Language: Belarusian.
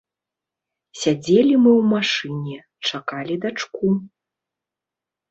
Сядзелі мы ў машыне, чакалі дачку.